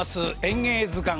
「演芸図鑑」